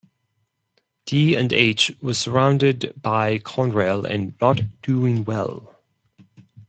D and H was surrounded by Conrail and not doing well.